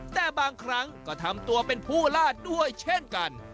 แต่บางครั้งทำเป็นผู้ล่าดด้วยเฉย